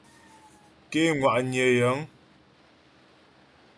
Ké ŋwà'nyə̀ yəŋ.